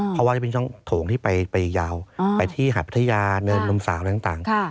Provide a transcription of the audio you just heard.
เพราะว่าจะเป็นช่องโถงที่ไปยาวไปที่หาดพัทยาเนินนมสาวอะไรต่าง